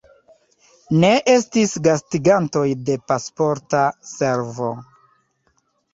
Ne estis gastigantoj de Pasporta Servo.